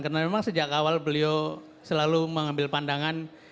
karena memang sejak awal beliau selalu mengambil pandangan